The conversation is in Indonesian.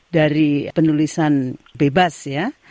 dari penulisan bebas ya